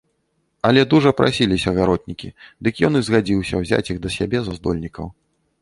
Але дужа прасіліся гаротнікі, дык ён і згадзіўся ўзяць іх да сябе за здольнікаў.